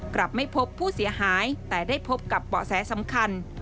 กลับไม่พบผู้เสียหายแต่ได้พบกับเบาะแสสำคัญ